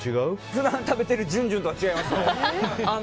普段食べてるじゅんじゅんとは違いますね。